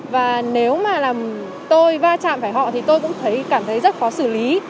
và nếu mà làm tôi va chạm phải họ thì tôi cũng thấy cảm thấy rất khó xử lý